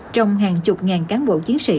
trong hàng chục ngàn cán bộ chiến sĩ